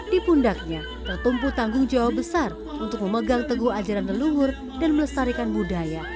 di pundaknya tertumpu tanggung jawab besar untuk memegang teguh ajaran leluhur dan melestarikan budaya